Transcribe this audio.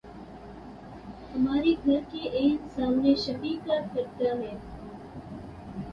ہمارے گھر کے عین سامنے شفیع کا کٹڑہ ہے۔